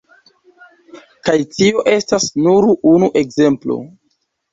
Kaj tio estas nur unu ekzemplo.